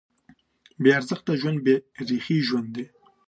بېارزښته ژوند بېریښې ژوند دی.